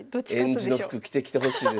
えんじの服着てきてほしいです。